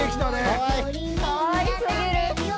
かわい過ぎる。